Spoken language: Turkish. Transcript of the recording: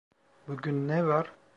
Bugün ne var?